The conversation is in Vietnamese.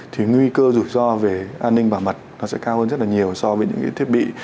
thì nguy cơ rủi ro về an ninh bảo mật nó sẽ cao hơn rất là nhiều so với những cái thiết bị